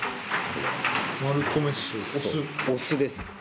お酢です。